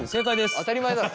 当たり前だろ。